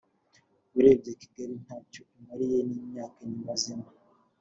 Urebye kigali ntacyo imariye nimyaka nyimazemo